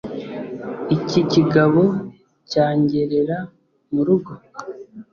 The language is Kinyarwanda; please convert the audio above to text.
Iki kigabo cyangerera mu rugo?